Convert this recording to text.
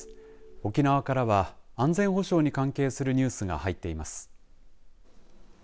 沖縄からは安全保障に関係するニュースが入っています。